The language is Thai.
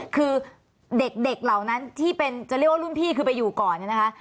คือเด็กเหล่านั้นที่เป็นจะเรียกว่ารุ่นพี่คือไปอยู่ก่อนเนี่ยนะคะ